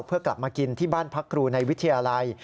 เพื่อกลับมากินที่บ้านพักครูในวิทยาลัย